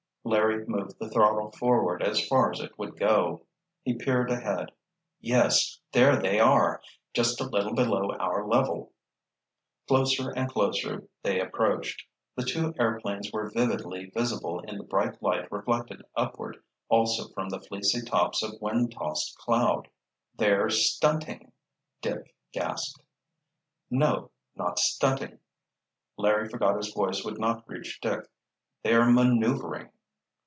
Larry moved the throttle forward as far as it would go. He peered ahead. "Yes! There they are! Just a little below our level." Closer and closer they approached. The two airplanes were vividly visible in the bright light reflected upward also from the fleecy tops of wind tossed cloud. "They're stunting—" Dick gasped. "No—not stunting," Larry forgot his voice would not reach Dick. "They're maneuvering."